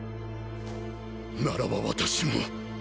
ならば私も！